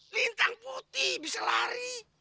lintang putih bisa lari